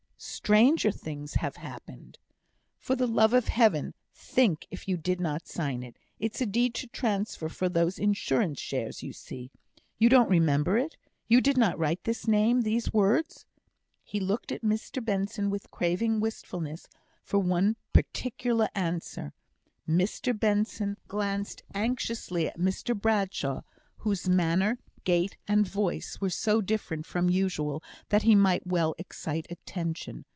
"Stranger things have happened. For the love of Heaven, think if you did not sign it. It's a deed of transfer for those Insurance shares, you see. You don't remember it? You did not write this name these words?" He looked at Mr Benson with craving wistfulness for one particular answer. Mr Benson was struck at last by the whole proceeding, and glanced anxiously at Mr Bradshaw, whose manner, gait, and voice were so different from usual that he might well excite attention.